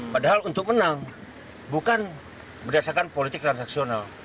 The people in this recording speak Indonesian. padahal untuk menang bukan berdasarkan politik transaksional